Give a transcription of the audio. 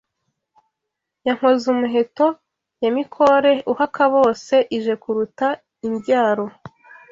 Ya Nkozumuheto ya Mikore uhaka-bose ije kuruta ibyaro